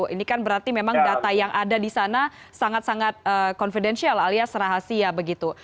ini kan berarti memang data yang ada di sana sangat sangat confidential alias rahasia begitu